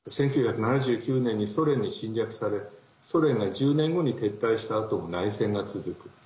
１９７９年に、ソ連に侵略されソ連が１０年後に撤退したあとも内戦が続く。